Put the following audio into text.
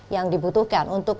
yang dibutuhkan untuk